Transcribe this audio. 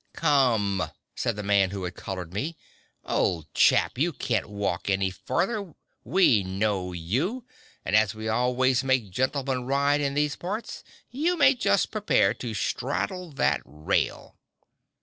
"Come," said the man who collared me, "old chap, you can't walk any further; we know you, and as we always make gentlemen ride in these parts, you may just prepare to straddle that rail!"